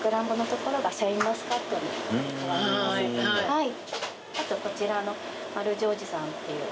はい。